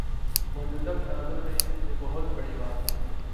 موجودہ تناظر میں یہ بہت بڑی بات ہے۔